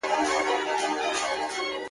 له بدانو سره ښه په دې معنا ده,